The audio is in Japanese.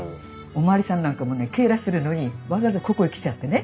おまわりさんなんかもね警らするのにわざわざここへ来ちゃってね